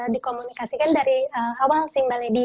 dikomunikasikan dari awal sih mbak lady